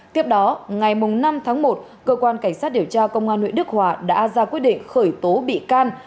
tiếp đó ngày năm tháng một cơ quan cảnh sát điều tra công an huyện đức hòa đã ra quyết định khởi tố bị can